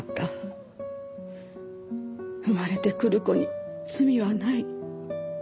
生まれてくる子に罪はない。